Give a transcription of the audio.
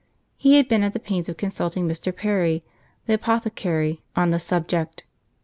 He had been at the pains of consulting Mr. Perry, the apothecary, on the subject.